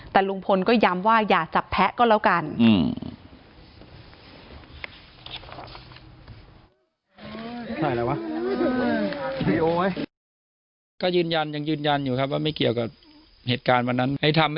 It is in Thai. แต่ลุงพลก็ย้ำว่าอย่าจับแพ้ก็แล้วกัน